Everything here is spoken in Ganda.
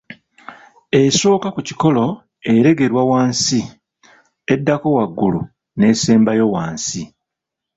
Esooka ku kikolo ereegerwa wansi, eddako waggulu n’esembayo wansi.